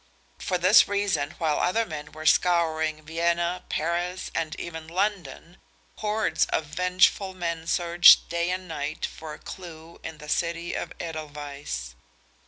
For this reason, while other men were scouring Vienna, Paris and even London, hordes of vengeful men searched day and night for a clew in the city of Edelweiss.